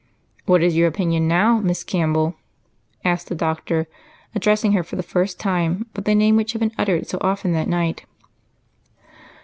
"What is your opinion now, Miss Campbell?" asked the doctor, addressing her for the first time by the name which had been uttered so often that night.